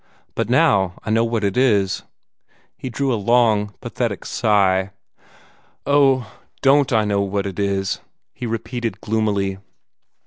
But now I know what it is." He drew a long, pathetic sigh. "Oh, DON'T I know what it is!" he repeated gloomily.